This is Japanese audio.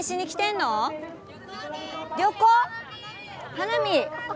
花見！